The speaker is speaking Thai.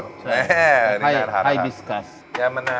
ใช่ควกคล้าย